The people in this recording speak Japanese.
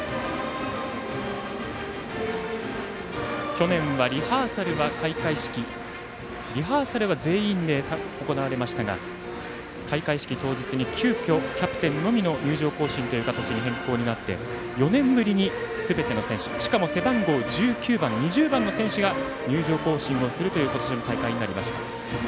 去年は開会式のリハーサルは全員で行われましたが、開会式当日に急きょキャプテンのみの入場行進に変更になって４年ぶりにすべての選手しかも背番号１９番、２０番の選手も入場行進をするという今年の大会になりました。